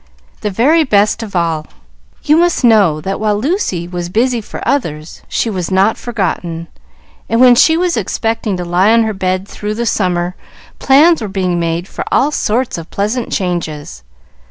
"The very best of all. You must know that, while Lucy was busy for others, she was not forgotten, and when she was expecting to lie on her bed through the summer, plans were being made for all sorts of pleasant changes.